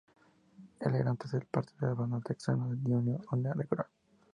Él era antes parte de la banda Texana "The Union Underground".